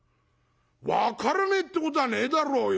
「分からねえってことはねえだろうよ。